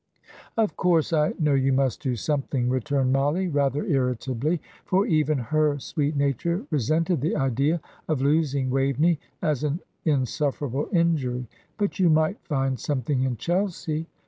"Of course, I know you must do something," returned Mollie, rather irritably, for even her sweet nature resented the idea of losing Waveney as an insufferable injury; "but you might find something in Chelsea."